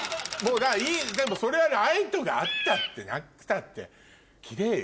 それはライトがあったってなくたってキレイよ。